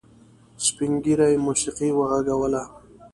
سپین ږيري موسيقي وغږوله.